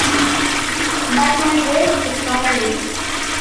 But my great discovery!